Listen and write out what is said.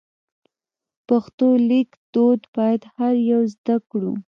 پښتو لیک دود باید هر یو زده کړو.